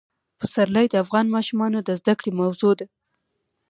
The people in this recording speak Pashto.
پسرلی د افغان ماشومانو د زده کړې موضوع ده.